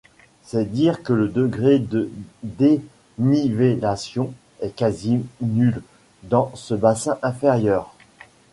C'est dire que le degré de dénivellation est quasi nul dans ce bassin inférieur.